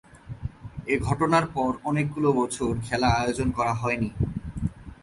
এ ঘটনার পর অনেকগুলো বছর খেলা আয়োজন করা হয়নি।